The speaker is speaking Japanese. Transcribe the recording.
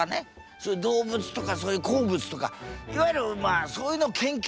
そういう動物とかそういう鉱物とかいわゆるまあそういうのを研究する。